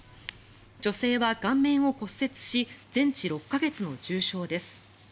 女性は顔面を骨折し全治６か月の重傷です。